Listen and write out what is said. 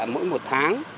mỗi một tháng